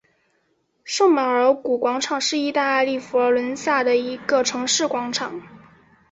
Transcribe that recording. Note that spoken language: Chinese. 圣马尔谷广场是意大利佛罗伦萨的一个城市广场。